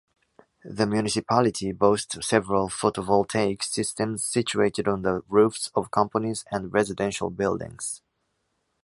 The municipality boasts several photovoltaic systems situated on the roofs of companies and residential buildings.